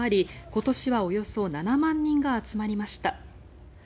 今年はおよそ７万人が集まりました。